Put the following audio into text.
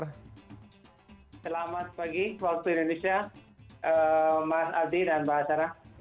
selamat pagi waktu indonesia mas abdi dan mbak tara